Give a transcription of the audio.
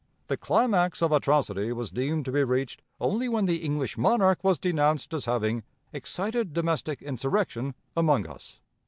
The climax of atrocity was deemed to be reached only when the English monarch was denounced as having 'excited domestic insurrection among us.'